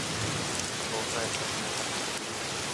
کاف ڈنّ ءَ درکپت